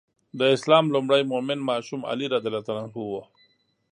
د اسلام لومړی مؤمن ماشوم علي رض و.